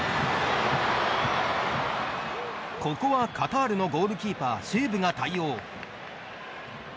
ここはカタールのゴールキーパーシェーブが対応。